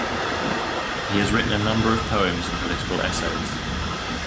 He has written a number of poems and political essays.